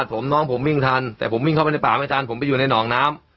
ผมน้องผมวิ่งทันแต่ผมวิ่งเข้าไปในป่าไม่ทันผมไปอยู่ในหนองน้ำ